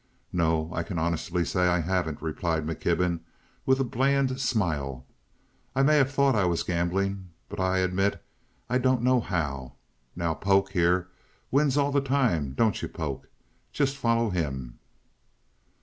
"No, I can honestly say I haven't," replied McKibben, with a bland smile. "I may have thought I was gambling, but I admit I don't know how. Now Polk, here, wins all the time, don't you, Polk? Just follow him."